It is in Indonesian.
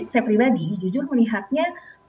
jadi saya pribadi jujur melihatnya